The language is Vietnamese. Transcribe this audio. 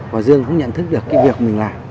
hòa dương không nhận thức được cái việc mình làm